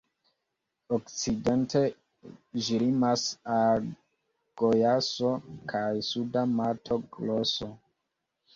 Okcidente ĝi limas al Gojaso kaj Suda Mato-Groso.